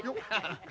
ハハハ。